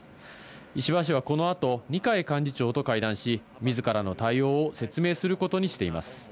石破氏はこのあと、二階幹事長と会談し、みずからの対応を説明することにしています。